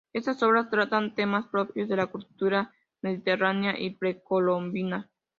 Estas obras tratan temas propios de la cultura mediterránea y precolombina.